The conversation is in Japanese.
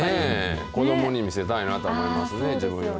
ねえ、子どもに見せたいなと思いますね。